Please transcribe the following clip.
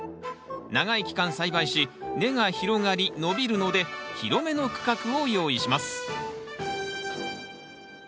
長い期間栽培し根が広がり伸びるので広めの区画を用意します